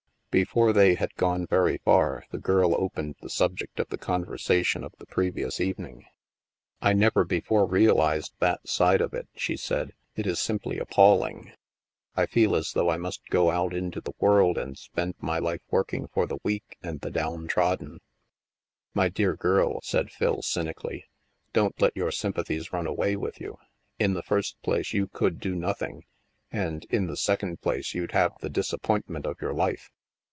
Before they had gone very far, the girl opened the subject of the conversation of the previous evening. 76 THE MASK ii I never before realized that side of it," she said. It is simply appalling. I feel as though I must go out into the world and spend my life working for the weak and the downtrodden." " My dear girl," said Phil C3mically, " don't let your sympathies run away with you. In the first place you could do nothing and, in the second place, you'd have the disappointment of your life.